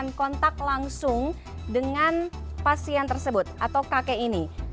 yang kontak langsung dengan pasien tersebut atau kakek ini